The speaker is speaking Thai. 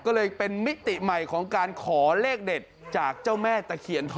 ก็เลยเป็นมิติใหม่ของการขอเลขเด็ดจากเจ้าแม่ตะเคียนทอง